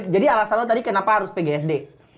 jadi alasan lo tadi kenapa harus pgsd